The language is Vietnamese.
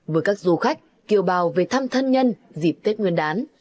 với các du khách kiều bào về thăm thân nhân dịp tết nguyên đán